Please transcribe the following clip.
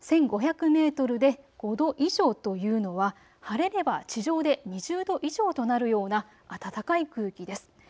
１５００メートルで５度以上というのは晴れれば地上で２０度以上となるような暖かい空気です。